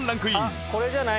あっこれじゃない？